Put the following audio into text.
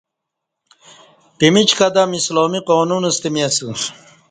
پمیچ قدم اسلامی ق انون ستہ می اسہ